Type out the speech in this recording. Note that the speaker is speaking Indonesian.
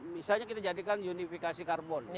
misalnya kita jadikan unifikasi karbon